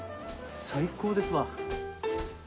最高ですわ。